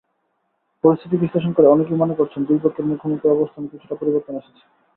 পরিস্থিতি বিশ্লেষণ করে অনেকেই মনে করছেন, দুই পক্ষের মুখোমুখি অবস্থানে কিছুটা পরিবর্তন এসেছে।